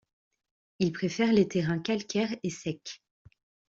Il préfère les terrains calcaires et secs.